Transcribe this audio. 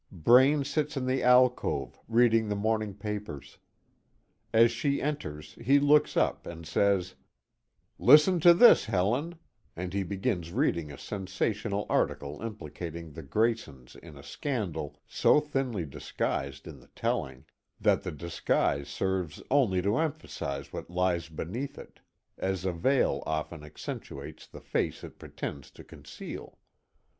Braine sits in the alcove, reading the morning papers. As she enters, he looks up and says: "Listen to this, Helen," and he begins reading a sensational article implicating the Graysons in a scandal so thinly disguised in the telling, that the disguise serves only to emphasize what lies beneath it, as a veil often accentuates the face it pretends to conceal.